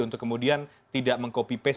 untuk kemudian tidak mengcopy paste